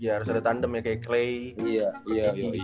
harus ada tandem kayak clay